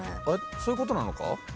そういうことなのか？